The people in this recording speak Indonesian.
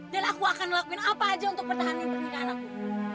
dan aku akan lakukan apa aja untuk pertahanan pernikahan aku